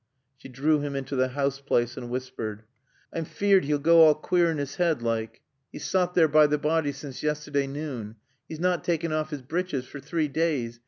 She drew him into the house place, and whispered. "I'm feared 'e'll goa queer in 'is 'head, like. 'E's sot there by t' body sence yesterda noon. 'E's not takken off 'is breeches for tree daas.